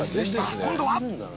今度は？